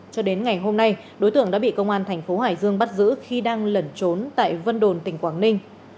cho đến ngày hôm nay đối tượng đã bị công an thành phố hải dương bắt giữ khi đang lẩn trốn tại vân đồn tỉnh quảng ninh